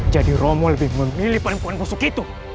jadi romo lebih memilih perempuan busuk itu